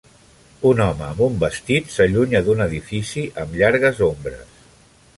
Un home amb un vestit s'allunya d'un edifici amb llargues ombres.